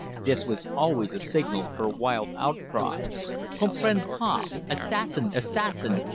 This was always the signal for a wild outcry "Comprends pas!" "Assassin!" "Assassin!"